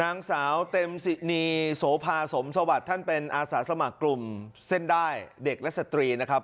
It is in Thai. นางสาวเต็มสินีโสภาสมสวัสดิ์ท่านเป็นอาสาสมัครกลุ่มเส้นได้เด็กและสตรีนะครับ